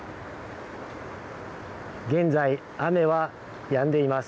現在、雨はやんでいます。